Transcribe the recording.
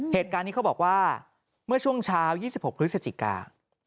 เหตุการณ์นี้เขาบอกว่าเมื่อช่วงเช้า๒๖พฤศจิกา